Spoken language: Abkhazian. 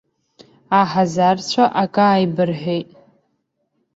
Аҳазарцәа акы ааибырҳәеит.